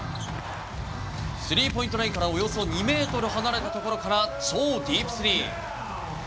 スリーポイントラインからおよそ２ｍ離れたところから超ディープスリー！